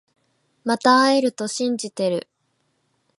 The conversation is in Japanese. また会えると信じてる